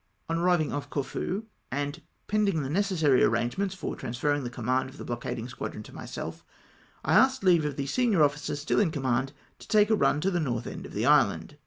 On arriving off Corfu, and pending the necessary arrangements for transferring the command of the blockading squadron to myself, I asked leave of the senior officer still in command to take a run to the north end of the island.